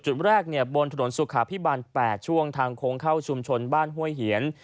จุดแรกบนถนนสุขาพิบาล๘ช่วงทางโค้งเข้าชุมชนบ้านห้วยเหียน